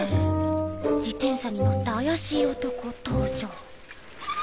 自転車に乗った怪しい男登場。